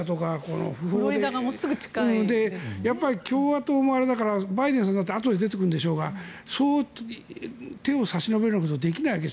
共和党もあれだからバイデンさんもあとになって出てくるでしょうが手を差し伸べることはできないわけです。